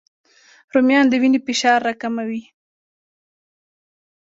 رومیان د وینې فشار راکموي